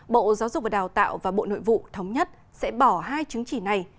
bộ giáo dục và đào tạo và bộ nội vụ thống nhất sẽ bỏ hai chứng chỉ này